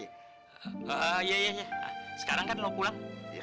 soalnya masih ada urusan yang lainnya lagi